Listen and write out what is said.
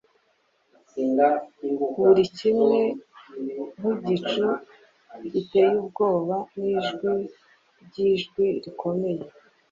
Buri kimwe, nkigicu giteye ubwoba, Nijwi ryijwi rikomeye: